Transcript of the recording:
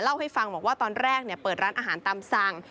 เล่าให้ฟังว่าตอนแรกเนี่ยเปิดร้านอาหารตำสั่ง